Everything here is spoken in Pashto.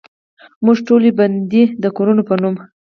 موږ ټولې بندې دکورونو په نوم،